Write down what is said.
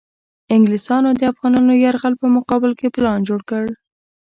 انګلیسیانو د افغانانو یرغل په مقابل کې پلان جوړ کړ.